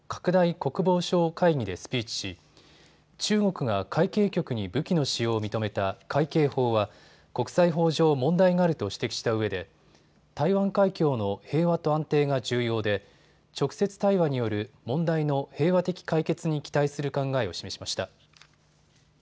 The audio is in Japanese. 国防相会議でスピーチし、中国が海警局に武器の使用を認めた海警法は国際法上、問題があると指摘したうえで台湾海峡の平和と安定が重要で直接対話による問題の平和的解決に期待する考えを示しました。